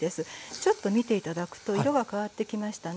ちょっと見て頂くと色が変わってきましたね。